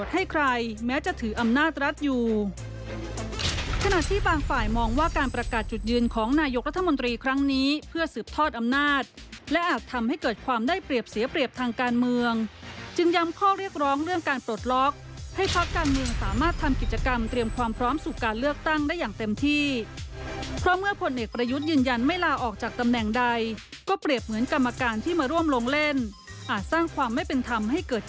หมายมองว่าการประกาศจุดยืนของนายกรัฐมนตรีครั้งนี้เพื่อสืบทอดอำนาจและอาจทำให้เกิดความได้เปรียบเสียเปรียบทางการเมืองจึงยำข้อเรียกร้องเรื่องการปลดล็อคให้พักการเมืองสามารถทำกิจกรรมเตรียมความพร้อมสู่การเลือกตั้งได้อย่างเต็มที่เพราะเมื่อผลเอกประยุทธ์ยืนยันไม่ลาออกจากตํ